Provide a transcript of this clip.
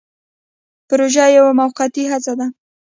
پروژه یوه موقتي هڅه ده